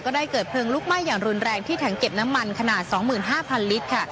ได้เกิดเพลิงลุกไหม้อย่างรุนแรงที่ถังเก็บน้ำมันขนาด๒๕๐๐ลิตรค่ะ